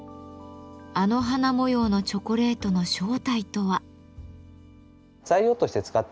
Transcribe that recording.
あの花模様のチョコレートの正体とは？